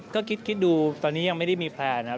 ก็คิดดูตอนนี้ยังไม่ได้มีแพลนนะครับ